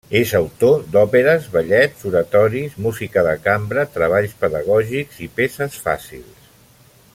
És autor d'òperes, ballets, oratoris, música de cambra, treballs pedagògics i peces fàcils.